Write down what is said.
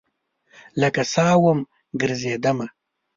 لکه سا وم ګرزیدمه